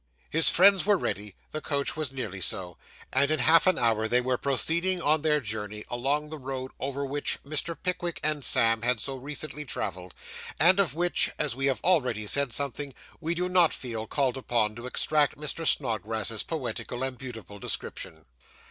His friends were ready, the coach was nearly so, and in half an hour they were proceeding on their journey, along the road over which Mr. Pickwick and Sam had so recently travelled, and of which, as we have already said something, we do not feel called upon to extract Mr. Snodgrass's poetical and beautiful description.